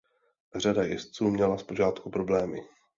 Řada jezdců měla zpočátku problémy.